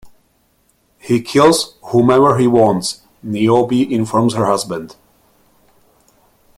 "He kills whomever he wants," Niobe informs her husband.